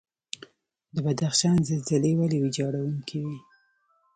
د بدخشان زلزلې ولې ویجاړونکې وي؟